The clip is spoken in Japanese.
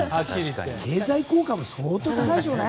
経済効果も相当高いでしょうね。